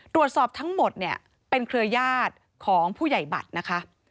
ตรวจสอบทั้งหมดเนี่ยเป็นเครือญาติของผู้ใหญ่บัตรนะคะ